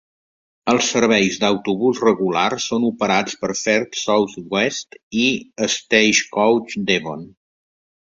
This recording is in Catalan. Els serveis d"autobús regular són operats per First South West i Stagecoach Devon.